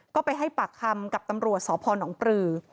ก็ไปให้ปากคำกับตำรวจสพนปรือ